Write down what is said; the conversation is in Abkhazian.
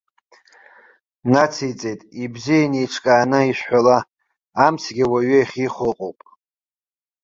Нациҵеит, ибзиан еиҿкааны ишәҳәала, амцгьы уаҩы иахьихәо ыҟоуп.